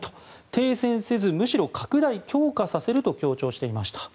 停戦せずむしろ拡大・強化させると強調していました。